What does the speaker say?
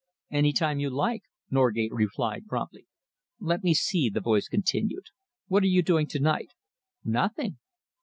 "Any time you like," Norgate replied promptly. "Let me see," the voice continued, "what are you doing to night?" "Nothing!"